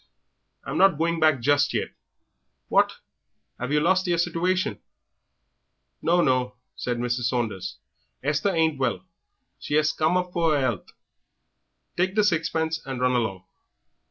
"I'm not going back just yet." "What, 'ave yer lost yer situation?" "No, no," said Mrs. Saunders, "Esther ain't well she 'as come up for 'er 'ealth; take the sixpence and run along."